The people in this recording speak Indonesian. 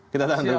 kita tahan dulu